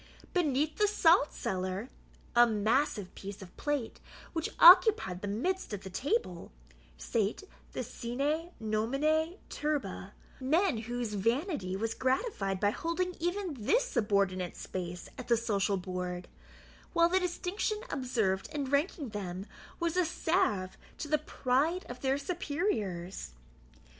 Beneath the salt cellar (a massive piece of plate which occupied the midst of the table) sate the SINE NOMINE TURBA, men whose vanity was gratified by holding even this subordinate space at the social board, while the distinction observed in ranking them was a salve to the pride of their superiors.